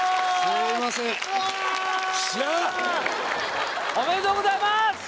ありがとうございます！